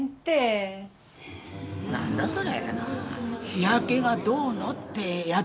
日焼けがどうのってやつだべ。